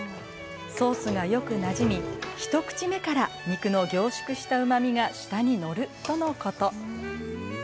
ソースがよくなじみ一口目から肉の凝縮したうまみが舌にのるとのこと。